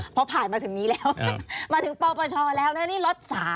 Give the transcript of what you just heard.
พอผ่านมาถึงนี้แล้วมาถึงปปชแล้วนะนี่ล็อต๓